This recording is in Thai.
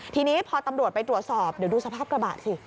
ทีนี้พอตำรวจไปตรวจสอบเดี๋ยวดูสภาพกระบะสิ